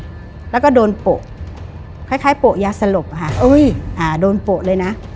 แล้วก็โดนโปะคล้ายคล้ายโปะยาสลบค่ะอุ้ยอ่าโดนโปะเลยนะ